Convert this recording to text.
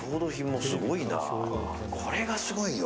これがすごいよ。